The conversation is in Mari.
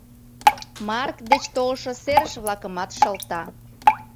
Марк деч толшо серыш-влакымат шылта.